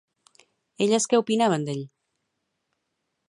Elles què opinaven d'ell?